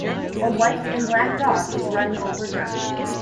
A white and black dog is running over dirt.